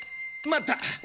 待った！